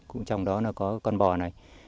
các cá thể động vật nói chung